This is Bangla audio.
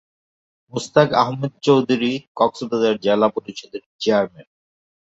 মোস্তাক আহমদ চৌধুরী কক্সবাজার জেলা পরিষদের চেয়ারম্যান।